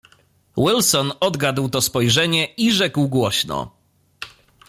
"Wilson odgadł to spojrzenie i rzekł głośno."